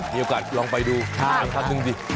มีโอกาสลองไปดูลองทักหนึ่งดิ